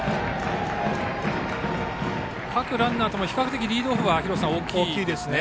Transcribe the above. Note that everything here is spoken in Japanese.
各ランナーともリードオフは大きいですね。